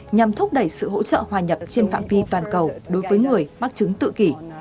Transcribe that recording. nhằm thúc đẩy sự hỗ trợ hòa nhập trên phạm vi toàn cầu đối với người mắc chứng tự kỷ